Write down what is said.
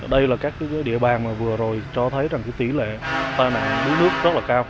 đây là các địa bàn mà vừa rồi cho thấy tỷ lệ tai mạng đu nước rất là cao